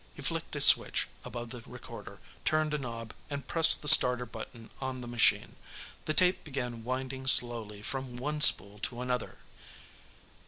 He flicked a switch above the recorder, turned a knob, and pressed the starter button on the machine. The tape began winding slowly from one spool to another.